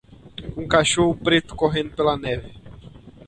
Um cachorro preto correndo pela neve.